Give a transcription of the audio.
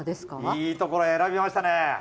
いいところ選びました。